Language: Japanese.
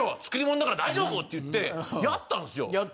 作り物だから大丈夫！」って言ってやったんですよ。